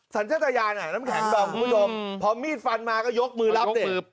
สัญญาณอ่ะน้ำแข็งดอมคุณผู้ชมพอมีดฟันมาก็ยกมือรับเด็ก